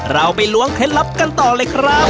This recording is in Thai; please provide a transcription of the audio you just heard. เราไปล้วงเคล็ดลับกันต่อเลยครับ